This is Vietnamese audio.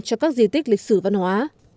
cho các di tích lịch sử văn hóa